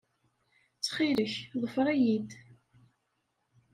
Ttxil-k, ḍfer-iyi-d.